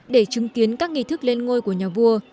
để chứng kiến các nghị thức lên ngôi của nhà vua